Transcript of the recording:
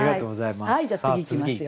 ありがとうございます。